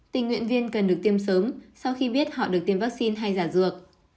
tình nguyện viên cần được tiêm sớm sau khi biết họ được tiêm vaccine hay giả dược